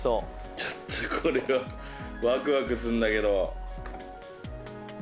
ちょっとこれはワクワクするんだけど。